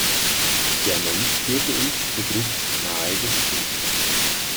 Der Mönch führte uns zur Gruft nahe des Klosters.